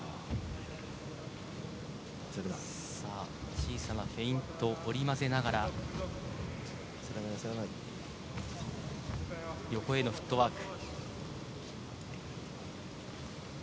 小さなフェイントを織り交ぜながら横へのフットワーク。